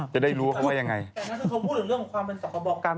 คือแบบว่าของที่ได้